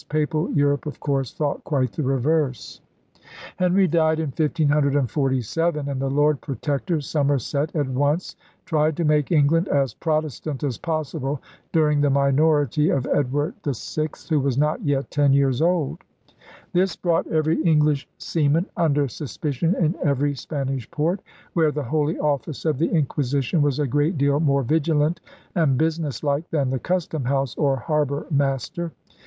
Papal Europe of course thought quite the reverse. Henry died in 1547, and the Lord Protector Somerset at once tried to make England as Pro testant as possible during the minority of Edward VI, who was not yet ten years old. This brought every English seaman under suspicion in every Spanish port, where the Holy Office of the Inqui sition was a great deal more vigilant and business like than the Custom House or Harbor Master.